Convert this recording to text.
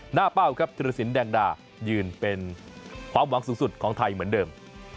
เป้าครับธิรสินแดงดายืนเป็นความหวังสูงสุดของไทยเหมือนเดิม